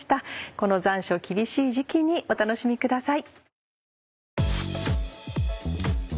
この残暑厳しい時期にお楽しみください。